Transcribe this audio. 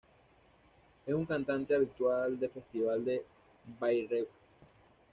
Es un cantante habitual de Festival de Bayreuth.